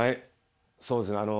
そうですね